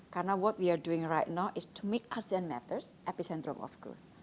karena apa yang kita lakukan sekarang adalah membuat asean matters epicentrum of growth